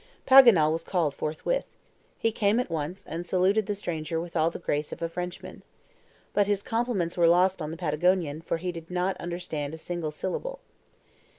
Paganel was called forthwith. He came at once, and saluted the stranger with all the grace of a Frenchman. But his compliments were lost on the Patagonian, for he did not understand a single syllable.